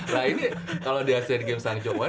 nah ini kalau di asean gamesang jokowi